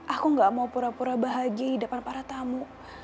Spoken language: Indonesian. aku gak mau pura pura bahagia di depan para tamu